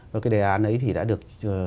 và cái đề án ấy thì đã được